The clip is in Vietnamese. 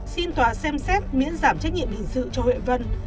xin tòa xem xét miễn giảm trách nhiệm hình sự cho huệ vân